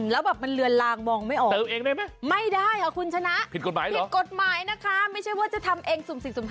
แล้วแบบมันเหลือลางมองไม่ออกไม่ได้เหรอคุณชนะผิดกฎหมายนะคะไม่ใช่ว่าจะทำเอง๐๔๐๕